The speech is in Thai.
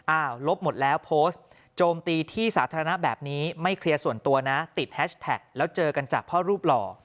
ลบหมดแล้วโพสต์โจมตีที่สาธารณะแบบนี้ไม่เคลียร์ส่วนตัวนะติดแฮชแท็กแล้วเจอกันจากพ่อรูปหล่อ